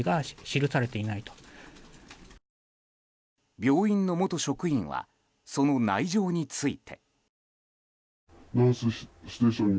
病院の元職員はその内情について。